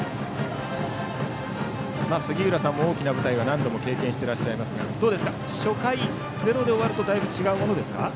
杉浦さんも大きな舞台は何度も経験してらっしゃいますが初回、ゼロで終わるとだいぶ違うものでしょうか。